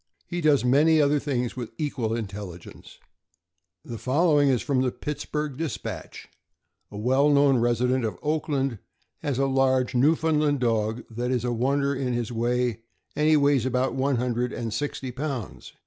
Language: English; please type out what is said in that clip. He does many other things with equal intelligence. THE NEWFOUNDLAND. 595 The following is from the Pittsburgh Dispatch: A well known resident of Oakland has a large Newfoundland dog that is a wonder in his way, and he weighs about one hundred and sixty pounds.